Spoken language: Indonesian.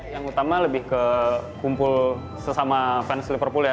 yang utama lebih ke kumpul sesama fans liverpool ya